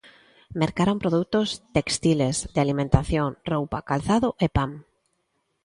Mercaron produtos téxtiles, de alimentación, roupa, calzado e pan.